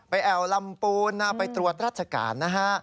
ไปแอ่วลำพูนไปตรวจรัฐกาลนะฮะ